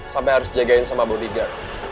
sampai harus jagain sama bodi garo